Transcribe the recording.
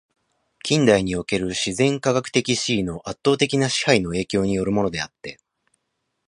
近代における自然科学的思惟の圧倒的な支配の影響に依るものであって、